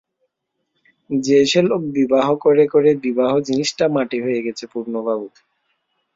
যে-সে লোক বিবাহ করে করে বিবাহ জিনিসটা মাটি হয়ে গেছে পূর্ণবাবু!